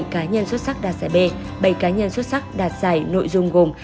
hai mươi bảy cá nhân xuất sắc đạt giải b bảy cá nhân xuất sắc đạt giải nội dung gồm